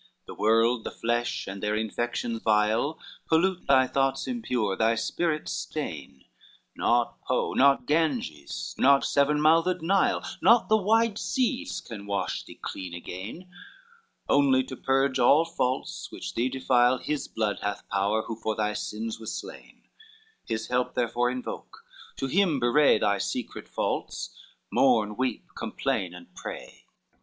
VIII "The world, the flesh, with their infection vile Pollute the thoughts impure, thy spirit stain; Not Po, not Ganges, not seven mouthed Nile, Not the wide seas, can wash thee clean again, Only to purge all faults which thee defile His blood hath power who for thy sins was slain: His help therefore invoke, to him bewray Thy secret faults, mourn, weep, complain and pray."